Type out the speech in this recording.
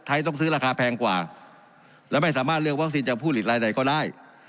ต้องซื้อราคาแพงกว่าและไม่สามารถเลือกวัคซีนจากผู้ผลิตรายใดก็ได้